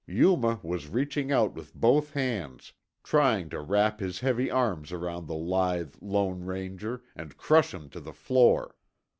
Yuma was reaching out with both hands, trying to wrap his heavy arms around the lithe Lone Ranger and crush him to the floor.